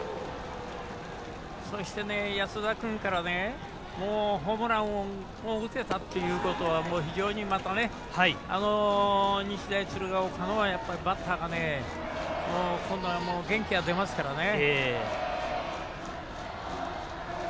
そして、安田君からホームランを打てたということは非常に日大鶴ヶ丘のバッターが元気が出ますからね。